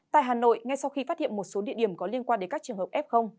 tại hà nội ngay sau khi phát hiện một số địa điểm có liên quan đến các trường hợp f